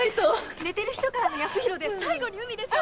寝てる人からのヤスヒロで最後に海でしょ！